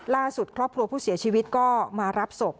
ล่าสุดครอบครัวผู้เสียชีวิตก็มารับศพ